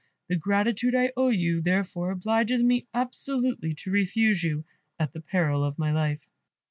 The gratitude I owe you, therefore, obliges me absolutely to refuse you, at the peril of my life."